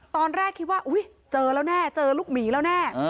ตอนแรกคิดว่าอุ๊ยเจอแล้วแน่เจอลูกหมีแล้วแน่